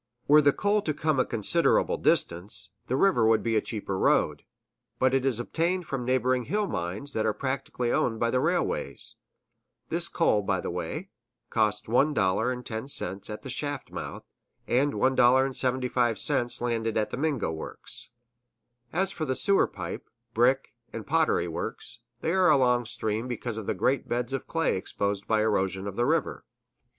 Were the coal to come a considerable distance, the river would be the cheaper road; but it is obtained from neighboring hill mines that are practically owned by the railways. This coal, by the way, costs $1.10 at the shaft mouth, and $1.75 landed at the Mingo works. As for the sewer pipe, brick, and pottery works, they are along stream because of the great beds of clay exposed by the erosion of the river.